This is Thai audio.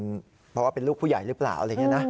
เพราะว่าเป็นลูกผู้ใหญ่หรือเปล่าอะไรอย่างนี้นะ